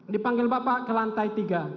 dipanggil bapak ke lantai tiga